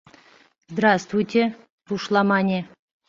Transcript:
— Здравствуйте! — рушла мане.